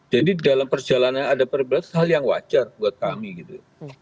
jadi dalam perjalanan yang ada perbedaan itu hal yang wajar buat kami gitu